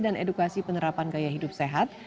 dan edukasi penerapan gaya hidup sehat